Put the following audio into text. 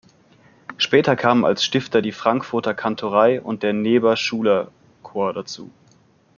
Später kamen als Stifter die Frankfurter Kantorei und der Neeber-Schuler-Chor dazu.